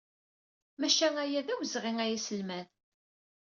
Maca aya d awezɣi a aselmad.